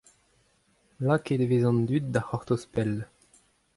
Lakaet e vez an dud da c'hortoz pell.